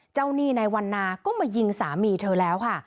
หนี้ในวันนาก็มายิงสามีเธอแล้วค่ะ